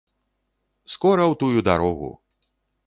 Скора ў тую дарогу!